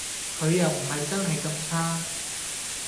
佢又唔係真係咁差